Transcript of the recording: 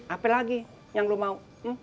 apa lagi yang lu mau